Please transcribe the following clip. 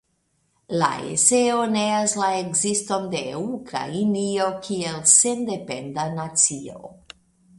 La eseo neas la ekziston de Ukrainio kiel sendependa nacio.